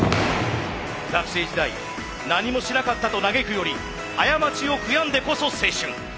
学生時代何もしなかったと嘆くより過ちを悔やんでこそ青春。